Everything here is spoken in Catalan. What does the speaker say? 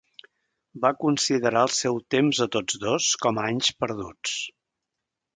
Va considerar el seu temps a tots dos com a "anys perduts".